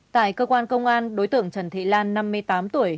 tại cơ quan công an đối tượng trần thị lan năm mươi tám tuổi